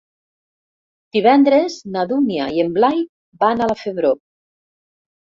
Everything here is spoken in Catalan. Divendres na Dúnia i en Blai van a la Febró.